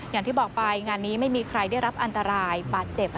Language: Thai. อย่างที่บอกไปงานนี้ไม่มีใครได้รับอันตรายบาดเจ็บ